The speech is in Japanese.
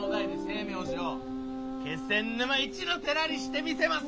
・気仙沼一の寺にしてみせます！